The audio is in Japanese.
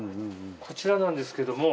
こちらなんですけども。